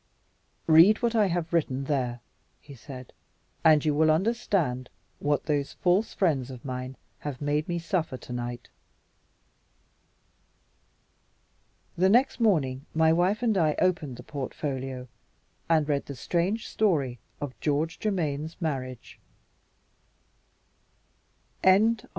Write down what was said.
"Read what I have written there," he said; "and you will understand what those false friends of mine have made me suffer to night." The next morning my wife and I opened the portfolio, and read the strange story of George Germaine's marriage. The Narrative.